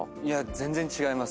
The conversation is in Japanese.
全然違います。